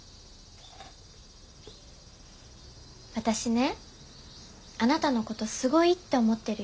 私ねあなたのことすごいって思ってるよ。